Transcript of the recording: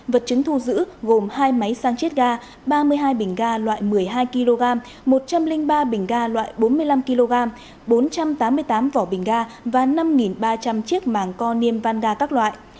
vật chứng thu giữ gồm hai máy sang chiết ga ba mươi hai bình ga loại một mươi hai kg một trăm linh ba bình ga loại bốn mươi năm kg bốn trăm tám mươi tám vỏ bình ga và năm ba trăm linh chiếc màng co niêm vanda các loại